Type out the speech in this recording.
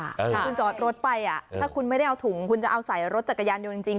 ถ้าคุณจอดรถไปถ้าคุณไม่ได้เอาถุงคุณจะเอาใส่รถจักรยานยนต์จริง